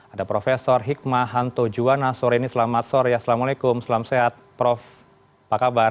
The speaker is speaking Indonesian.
ada prof hikmahanto juwana soreni selamat sore assalamualaikum selam sehat prof pakabar